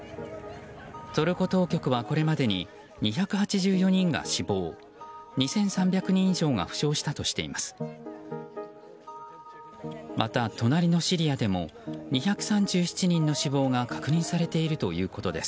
トルコ当局は、これまでに２８４人が死亡２３００人以上が負傷したとしています。